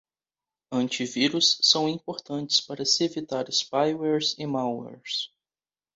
Antivírus são importantes para se evitar spywares e malwares